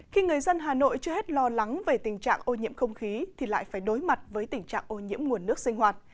khi người dân hà nội chưa hết lo lắng về tình trạng ô nhiễm không khí thì lại phải đối mặt với tình trạng ô nhiễm nguồn nước sinh hoạt